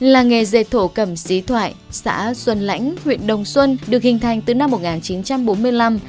làng nghề dệt thổ cẩm xí thoại xã xuân lãnh huyện đồng xuân được hình thành từ năm một nghìn chín trăm bốn mươi năm